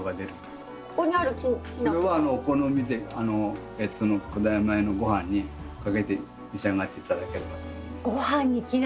これはお好みで古代米のごはんにかけて召し上がっていただけます。